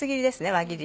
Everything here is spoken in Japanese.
輪切り。